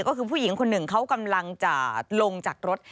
ก็คือผู้หญิงคนหนึ่งเขากำลังจะลงจากรถ